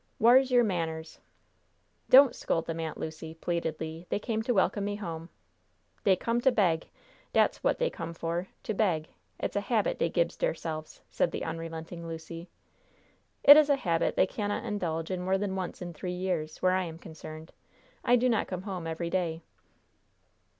Whar's yer manners?" "Don't scold them, Aunt Lucy," pleaded Le. "They came to welcome me home." "Dey come to beg, dat's wot dey come for to beg. It's a habit dey gibs deirselves," said the unrelenting Lucy. "It is a habit they cannot indulge in more than once in three years, where I am concerned. I do not come home every day."